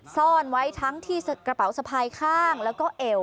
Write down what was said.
ซ่อนไว้ทั้งที่กระเป๋าสะพายข้างแล้วก็เอว